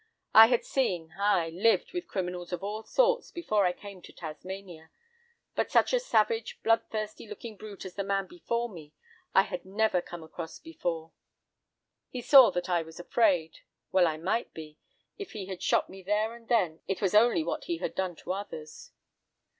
I had seen, ay, lived with criminals of all sorts since I first came to Tasmania, but such a savage, blood thirsty looking brute as the man before me, I had never come across before. He saw that I was afraid; well I might be—if he had shot me there and then, it was only what he had done to others.